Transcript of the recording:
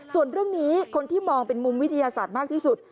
ส่วนเรื่องนี้คนที่มองเป็นมุมวิทยาศาสตร์มากที่สุด